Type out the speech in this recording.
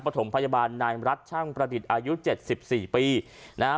ถมพยาบาลนายรัฐช่างประดิษฐ์อายุเจ็ดสิบสี่ปีนะฮะ